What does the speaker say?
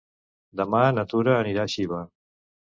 Demà na Tura anirà a Xiva.